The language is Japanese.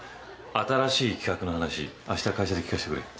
新しい企画の話あした会社で聞かせてくれよ。